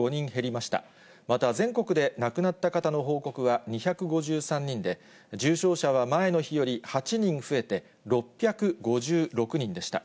また全国で亡くなった方の報告は２５３人で、重症者は前の日より８人増えて６５６人でした。